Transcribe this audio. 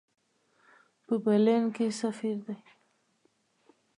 په برلین کې سفیر دی.